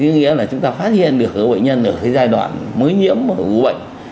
nghĩa là chúng ta phát hiện được các bệnh nhân ở cái giai đoạn mới nhiễm ở vụ bệnh